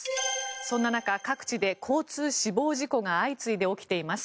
そんな中、各地で交通死亡事故が相次いで起きています。